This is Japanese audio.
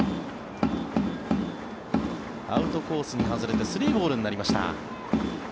アウトコースに外れて３ボールになりました。